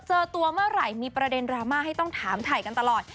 เจอตัวเมื่อไหร่มีประเด็นดราม่าให้ต้องถามถ่ายกันตลอด